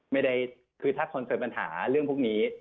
ไม่ได้คือถ้าคนเกิดปัญหาเรื่องพวกนี้